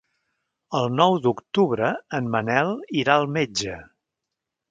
El nou d'octubre en Manel irà al metge.